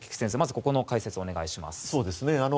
ここの解説をお願いします。